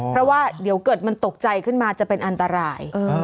เพราะว่าเดี๋ยวเกิดมันตกใจขึ้นมาจะเป็นอันตราย